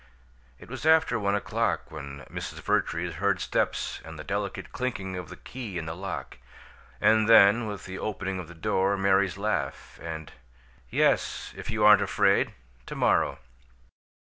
It was after one o'clock when Mrs. Vertrees heard steps and the delicate clinking of the key in the lock, and then, with the opening of the door, Mary's laugh, and "Yes if you aren't afraid to morrow!"